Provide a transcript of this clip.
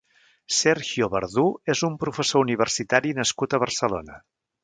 Sergio Verdú és un professor universitari nascut a Barcelona.